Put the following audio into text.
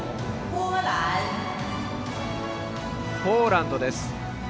ポーランドです。